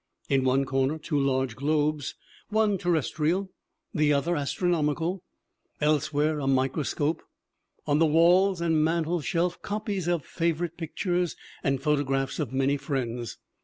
In one corner two large globes, one terrestrial, the other astronomical; elsewhere a microscope; on the walls MARY JOHNSTON 143 and mantel shelf copies of favorite pictures and pho tographs of many friends.